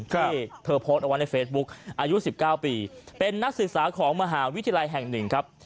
ที่เธอโพสต์เอาไว้ในเฟซบุ๊คอายุ๑๙ปีเป็นนักศึกษาของมหาวิทยาลัยแห่งหนึ่งครับ